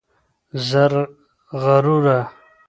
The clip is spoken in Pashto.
زرغروره